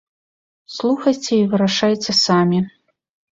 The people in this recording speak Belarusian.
Слухайце і вырашайце самі.